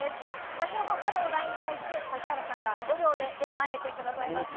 先ほど、あるお題に対して指原さんが５秒で絵を描いてくれました。